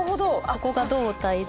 ここが胴体で。